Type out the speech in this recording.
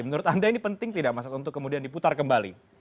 menurut anda ini penting tidak mas at untuk kemudian diputar kembali